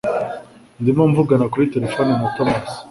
Ndimo mvugana kuri terefone na Tomasi.